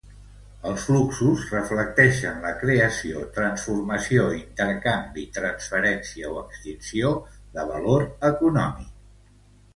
Els fluxos reflecteixen la creació, transformació, intercanvi, transferència o extinció de valor econòmic.